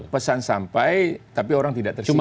pesan sampai tapi orang tidak terima